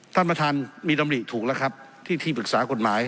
ท่านประธานมีดำริถูกแล้วครับที่ที่ปรึกษากฎหมาย